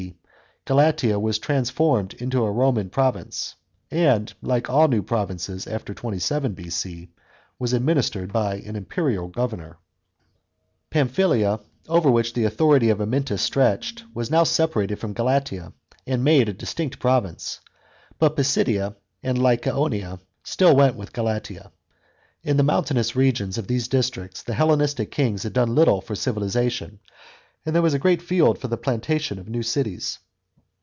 r, Galatia was transformed into a Roman province, and (like all new provinces after 27 B.C.) was administered by an imperial governor Pamphylia, over which the authority of Amyntas stretched, was now separated from Galatia, and made a distinct province; but Pisidia and Lycaonia still went with Galatia. In the mountainous regions of these districts the Hellenistic kings had done little for civilisation, and there was a great field for the plantation of new cities.